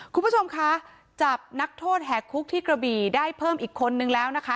คุณผู้ชมคะจับนักโทษแหกคุกที่กระบี่ได้เพิ่มอีกคนนึงแล้วนะคะ